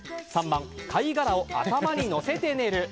３番、貝殻を頭にのせて寝る。